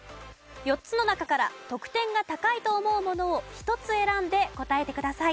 ４つの中から得点が高いと思うものを１つ選んで答えてください。